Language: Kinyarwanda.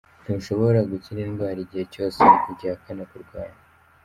Ntushobora gukira indwara igihe cyose ugihakana ko urwaye.